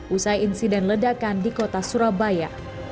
usai insiden ledakan di kota surabaya